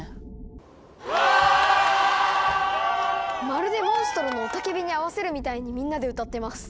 まるでモンストロの雄たけびに合わせるみたいにみんなで歌ってます。